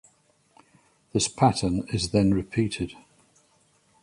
This pattern is then repeated.